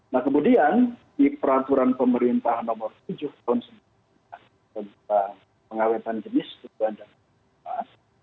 nah kemudian di peraturan pemerintah nomor tujuh tahun seribu sembilan ratus sembilan puluh tentang pengawetan jenis tumbuhan dan satwa liar